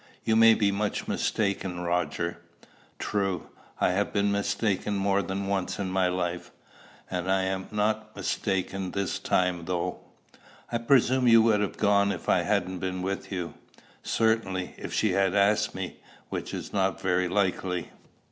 "You may be much mistaken, Roger." "True. I have been mistaken more than once in my life. I am not mistaken this time, though." "I presume you would have gone if I hadn't been with you?" "Certainly, if she had asked me, which is not very likely."